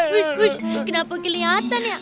wiss wiss kenapa kelihatan ya